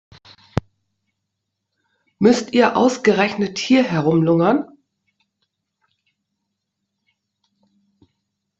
Müsst ihr ausgerechnet hier herumlungern?